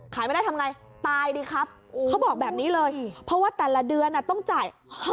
ไม่ได้ทำไงตายดีครับเขาบอกแบบนี้เลยเพราะว่าแต่ละเดือนต้องจ่าย